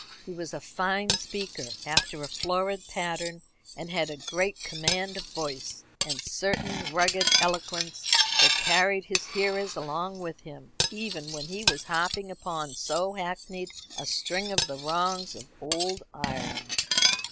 He was a fine speaker, after a florid pattern, and had a great command of voice, and a certain rugged eloquence that carried his hearers along with him, even when he was harping upon so hackneyed a string as the wrongs of "Ould Ireland."